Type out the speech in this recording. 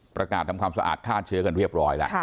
ทำความสะอาดฆ่าเชื้อกันเรียบร้อยแล้ว